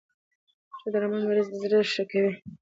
ښه درمل مریض زر ښه کوی.